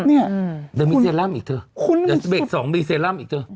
เดี๋ยวมีเซรั่มอีกเถอะเบรก๒มีเซรั่มอีกเถอะ